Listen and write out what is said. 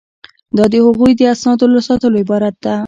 دا د هغوی د اسنادو له ساتلو عبارت ده.